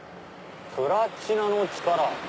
プラチナの力？